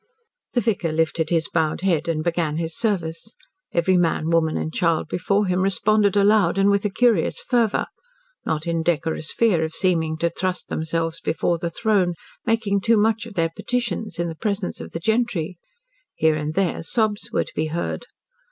The vicar lifted his bowed head and began his service. Every man, woman and child before him responded aloud and with a curious fervour not in decorous fear of seeming to thrust themselves before the throne, making too much of their petitions, in the presence of the gentry. Here and there sobs were to be heard.